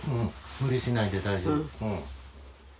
無理しないで大丈夫。